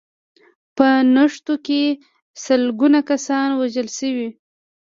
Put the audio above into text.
په نښتو کې سلګونه کسان وژل شوي